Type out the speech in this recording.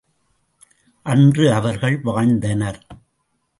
அன்று அவர்கள் வாழ்ந்தனர்.